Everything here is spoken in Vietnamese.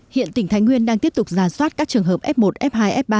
hiện tỉnh thái nguyên đang tiếp tục giả soát các trường hợp f một f hai f ba